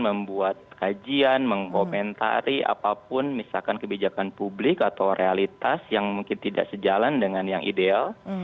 membuat kajian mengomentari apapun misalkan kebijakan publik atau realitas yang mungkin tidak sejalan dengan yang ideal